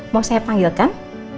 mau saya panggilkan